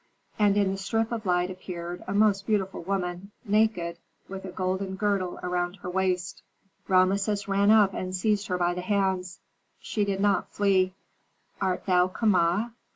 And in the strip of light appeared, a most beautiful woman, naked, with a golden girdle around her waist. Rameses ran up and seized her by the hands. She did not flee. "Art thou Kama?